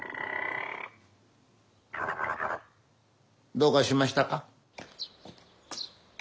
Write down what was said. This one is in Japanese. どうかしましたか？